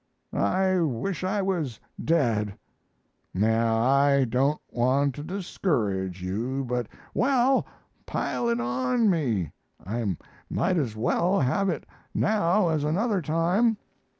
"I wish I was dead!" "Now, I don't want to discourage you, but " "Well, pile it on me; I might as well have it now as another time."